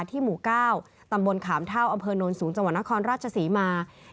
ที่หมูก้าวตำบลขามท่าวอโนนสูงจังหวัดนครราชสีม่ามี